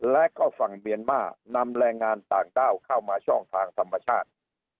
และก็ฝั่งเมียนมาร์นำแรงงานต่างด้าวเข้ามาช่องทางธรรมชาติ